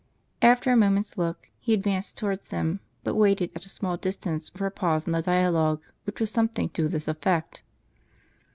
After a mo ment's look, he advanced towards them ; but waited, at a small distance, for a pause in the dialogue, which was some thing to this effect.